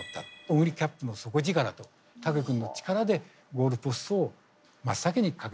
オグリキャップの底力と武君の力でゴールポストを真っ先に駆け抜けたのかなと。